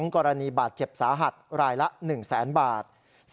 กรณีบาดเจ็บสาหัสรายละ๑แสนบาท